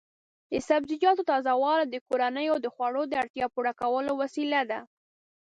د سبزیجاتو تازه والي د کورنیو د خوړو د اړتیا پوره کولو وسیله ده.